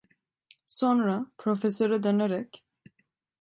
Sonra profesöre dönerek: